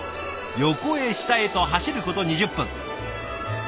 横へ下へと走ること２０分。